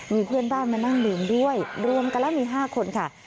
มีเพื่อนบ้านมานั่งดื่มด้วยรวมกันแล้วมี๕คนค่ะ